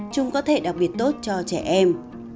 chung có thể đặc biệt tốt cho trẻ em